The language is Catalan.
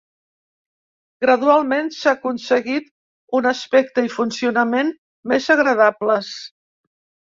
Gradualment s'ha aconseguit un aspecte i funcionament més agradables.